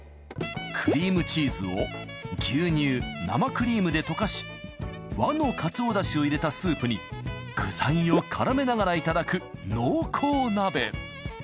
クリームチーズを牛乳生クリームで溶かし和のかつおだしを入れたスープに具材を絡めながらいただく濃厚鍋。